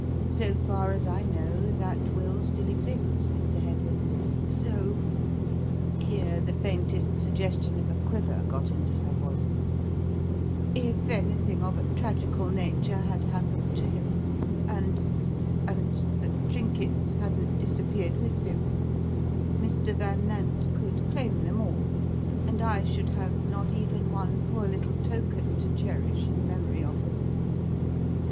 So far as I know, that will still exists, Mr. Headland; so" here the faintest suggestion of a quiver got into her voice "if anything of a tragical nature had happened to him, and and the trinkets hadn't disappeared with him, Mr. Van Nant could claim them all, and I should have not even one poor little token to cherish in memory of him.